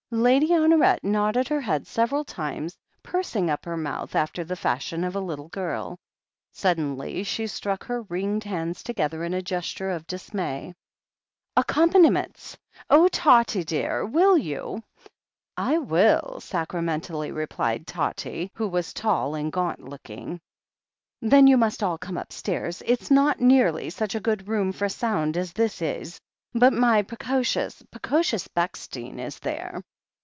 Lady Honoret nodded her head several times, purs ing up her mouth, after the fashion of a little girl. Suddenly she struck her ringed hands together in a gesture of dismay. "Accompaniments! Oh, Tottie, dear, will you?" "I will," sacramentally replied "Tottie," who was tall and gaunt looking. THE HEEL OF ACHILLES 229 ^Then you must all come upstairs. It's not nearly such a good room for sound as this is, but my p'ecious, p'ecious Bechstein is there."